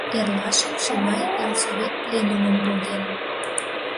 Эрлашым Шимай ялсовет пленумым поген.